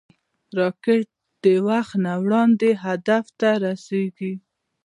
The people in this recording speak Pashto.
راکټ د وخت نه وړاندې هدف ته رسېږي